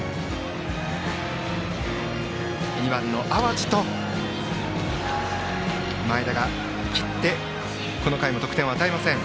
２番、淡路と前田が切ってこの回も得点を与えません。